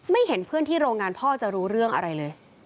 เห็นเพื่อนที่โรงงานพ่อจะรู้เรื่องอะไรเลย